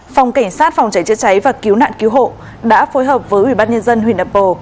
phòng cảnh sát phòng cháy chữa cháy và cứu nạn cứu hộ đã phối hợp với ubnd huyện nậm pồ